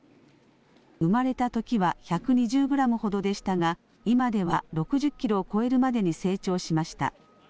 生まれたときは１２０グラムほどでしたが今では６０キロを超えるまでに成長しました。